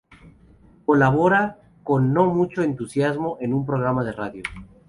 Colabora, con no mucho entusiasmo, en un programa de radio.